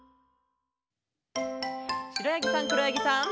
しろやぎさんくろやぎさん。